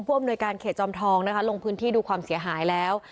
อำนวยการเขตจอมทองนะคะลงพื้นที่ดูความเสียหายแล้ว